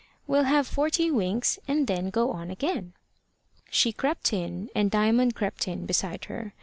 We'll have forty winks, and then go on again." She crept in, and Diamond crept in beside her.